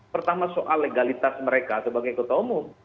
pertama soal legalitas mereka sebagai ketua umum